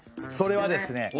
それはですね。